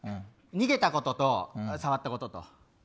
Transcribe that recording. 逃げたことと触ったことと。